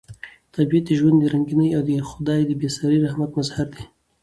طبیعت د ژوند د رنګینۍ او د خدای د بې ساري رحمت مظهر دی.